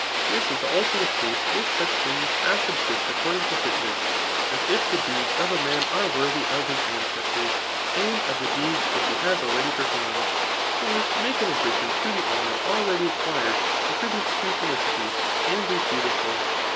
This is also the ease with such, things as^ subsist according to fimess.; as if the deeds of a man are worthy of his ancestors^ and of the deeds which he has alrelady performed. For to make an addition tb the honoqr .already acquired, con^ tributes to felicity, and is beautiful.